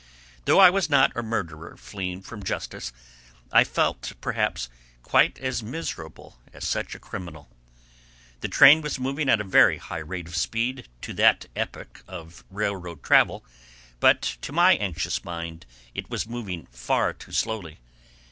Though I was not a murderer fleeing from justice, I felt perhaps quite as miserable as such a criminal. The train was moving at a very high rate of speed for that epoch of railroad travel, but to my anxious mind it was moving far too slowly.